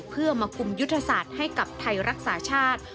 เพื่อมาคุมยุทธศาสตร์ให้กับไทยรักษาชาติ